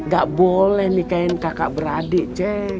gak boleh nikahin kakak beradik c